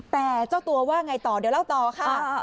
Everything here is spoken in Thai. แต่เจ้าตัวว่าไงต่อเดี๋ยวเล่าต่อค่ะ